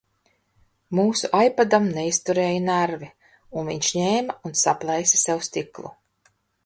Mūsu ipadam neizturēja nervi un viņš ņēma un saplēsa sev stiklu.